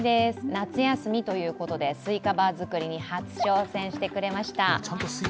夏休みということでスイカバー作りに初挑戦してくれました。